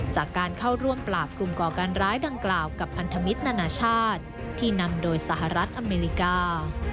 จากการเข้าร่วมปราบกลุ่มก่อการร้ายดังกล่าวกับพันธมิตรนานาชาติที่นำโดยสหรัฐอเมริกา